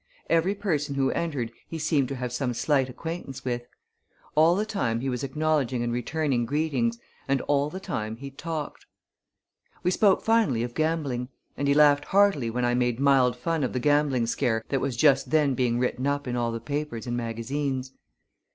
Every person who entered he seemed to have some slight acquaintance with. All the time he was acknowledging and returning greetings, and all the time he talked. We spoke finally of gambling; and he laughed heartily when I made mild fun of the gambling scare that was just then being written up in all the papers and magazines.